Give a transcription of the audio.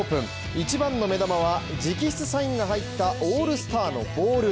一番の目玉は直筆サインが入ったオールスターのボール。